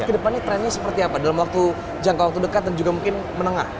jadi ke depannya trennya seperti apa dalam waktu jangka waktu dekat dan juga mungkin menengah